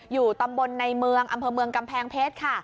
อยู่ตำบลในเมืองอำเภอเมืองกำแพงเพชรค่ะ